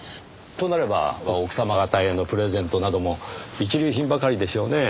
となれば奥様方へのプレゼントなども一流品ばかりでしょうねぇ。